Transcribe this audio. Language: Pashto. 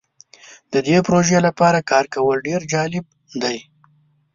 د دې پروژې لپاره کار کول ډیر جالب دی.